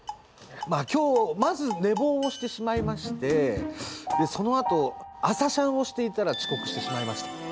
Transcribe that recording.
まあ今日まず寝坊をしてしまいましてでそのあと朝シャンをしていたら遅刻してしまいました。